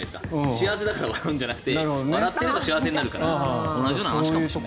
幸せだから笑うんじゃなくて笑っていると幸せになるから同じような話かもしれない。